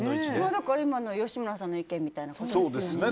だから、今の吉村さんの意見みたいなことですよね。